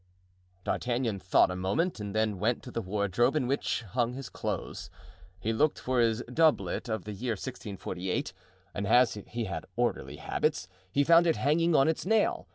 D'Artagnan thought a moment and then went to the wardrobe in which hung his old clothes. He looked for his doublet of the year 1648 and as he had orderly habits, he found it hanging on its nail.